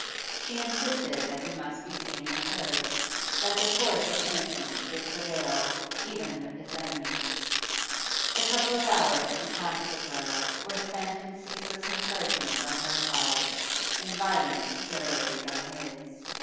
She insisted that he must be seen and heard, that the force of innocence would prevail even with his enemies. The couple of hours he passed with her were spent in ceaseless encouragement on her side, in violent tirades on his.